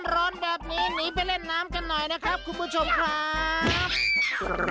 ร้อนแบบนี้หนีไปเล่นน้ำกันหน่อยนะครับคุณผู้ชมครับ